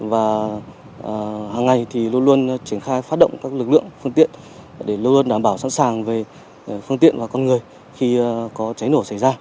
và hàng ngày thì luôn luôn triển khai phát động các lực lượng phương tiện để luôn luôn đảm bảo sẵn sàng về phương tiện và con người khi có cháy nổ xảy ra